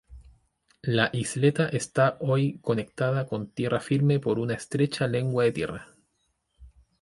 La isleta está hoy conectada con tierra firme por una estrecha lengua de tierra.